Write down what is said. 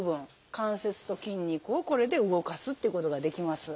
関節と筋肉をこれで動かすっていうことができます。